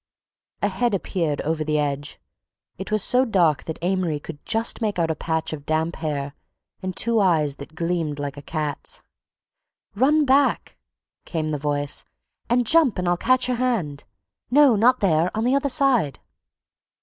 A head appeared over the edge—it was so dark that Amory could just make out a patch of damp hair and two eyes that gleamed like a cat's. "Run back!" came the voice, "and jump and I'll catch your hand—no, not there—on the other side."